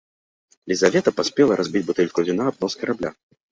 Лізавета паспела разбіць бутэльку віна аб нос карабля.